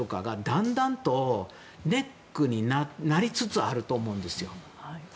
だんだんと、ネックになりつつあると思うんですよ。